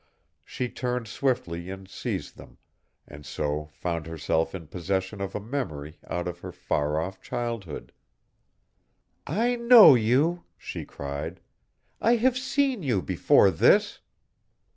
She turned swiftly, and seized them, and so found herself in possession of a memory out of her far off childhood. "I know you!" she cried. "I have seen you before this!"